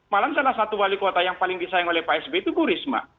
malah salah satu wali kota yang paling disayang oleh pak sby itu bu risma